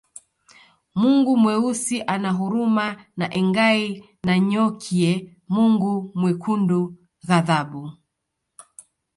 Mungu Mweusi ana huruma na Engai Nanyokie Mungu Mwekundu ghadhabu